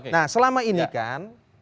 nah selama ini kan